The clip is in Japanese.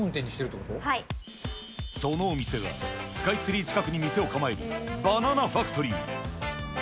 そのお店が、スカイツリー近くに店を構えるバナナファクトリー。